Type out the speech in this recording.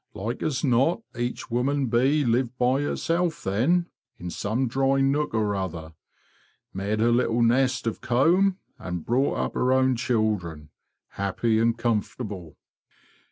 Like as not each woman bee lived by herself then, in some dry nook or other; made her little nest of comb, and brought up her own children, happy and comfortable.